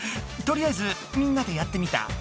とりあえずみんなでやってみた。